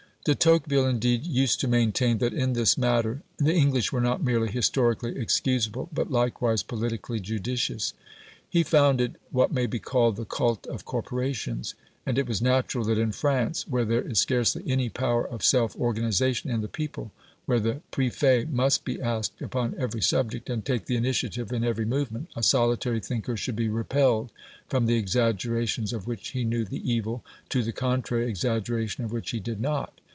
De Tocqueville indeed used to maintain that in this matter the English were not merely historically excusable but likewise politically judicious. He founded what may be called the culte of corporations. And it was natural, that in France, where there is scarcely any power of self organisation in the people, where the prefet must be asked upon every subject, and take the initiative in every movement, a solitary thinker should be repelled from the exaggerations of which he knew the evil, to the contrary exaggeration of which he did not.